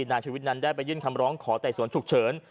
นายชีวิตนั้นได้ไปยื่นคำร้องขอไต่สวนฉุกเฉิน